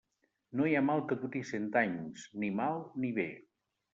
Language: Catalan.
No hi ha mal que duri cent anys; ni mal, ni bé.